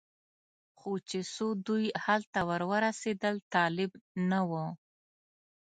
خو چې څو دوی هلته ور ورسېدل طالب نه و.